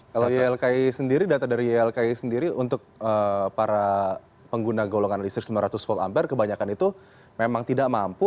kalau ylki sendiri data dari ylki sendiri untuk para pengguna golongan listrik sembilan ratus volt ampere kebanyakan itu memang tidak mampu